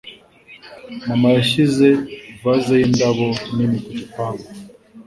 Mama yashyize vaze y’indabo nini ku gipangu.